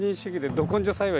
ど根性栽培！